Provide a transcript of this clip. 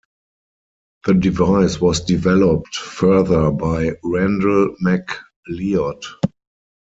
The device was developed further by Randall McLeod.